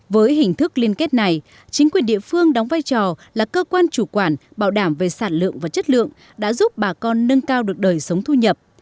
với hình thức liên kết này chính quyền địa phương đóng vai trò là cơ quan chủ quản bảo đảm về sản lượng và chất lượng đã giúp bà con nâng cao được đời sống thu nhập